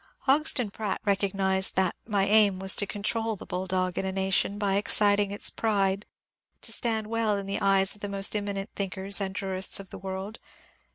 Hodgson Pratt recognized that my aim was to control the bulldog in a nation by exciting its pride to stand well in the eyes of the most eminent thinkers and jurists of the world.